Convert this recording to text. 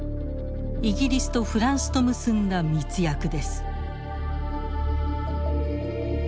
イギリスとフランスと結んだ密約です。